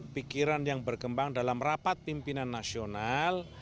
pikiran yang berkembang dalam rapat pimpinan nasional